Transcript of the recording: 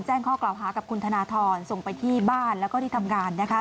แจ้งข้อกล่าวหากับคุณธนทรส่งไปที่บ้านแล้วก็ที่ทำงานนะคะ